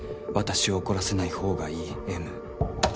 「私を怒らせない方がいいＭ」